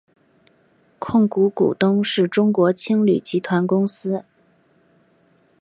控股股东是中国青旅集团公司。